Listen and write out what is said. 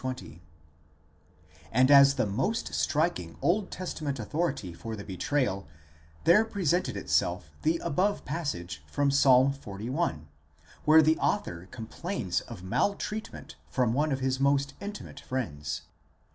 Acts i, 20); and as the most striking Old Testament authority for the betrayal, there presented itself the above passage from Ps. xli., where the author com plains of maltreatment from one of his most intimate friends.